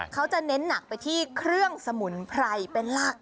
เขาจะเน้นหนักไปที่เครื่องสมุนไพรเป็นหลัก